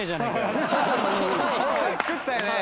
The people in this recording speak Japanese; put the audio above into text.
作ったよね？